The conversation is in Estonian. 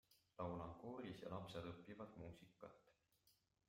Laulan kooris ja lapsed õpivad muusikat.